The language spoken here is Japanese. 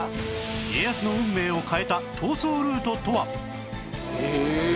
家康の運命を変えた逃走ルートとは？